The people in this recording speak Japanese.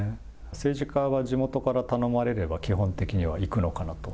政治家は地元から頼まれれば、基本的には行くのかなと。